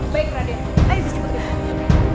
baik raden ayah sudah pergi